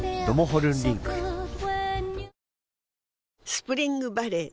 スプリングバレー